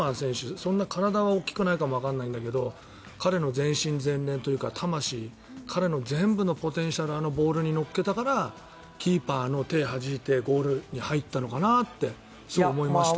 そんなに体は大きくないかもわからないけど彼の全身全霊というか魂彼の全部のポテンシャルをあのボールに乗っけたからキーパーの手をはじいてゴールに入ったのかなって思いました。